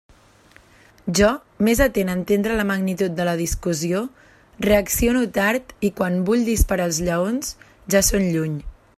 Jo, més atent a entendre la magnitud de la discussió, reacciono tard i quan vull disparar els lleons ja són lluny.